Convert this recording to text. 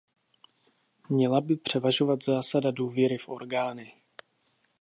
Měla by převažovat zásada důvěry v orgány.